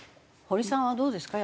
堀さんはどうですか？